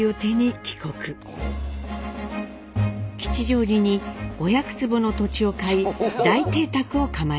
吉祥寺に５００坪の土地を買い大邸宅を構えます。